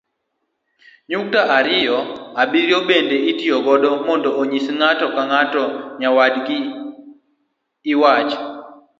nyukta ariyo ariyo bende itiyogo mondo onyis ni ng'ato ong'ado nyawadgi iwach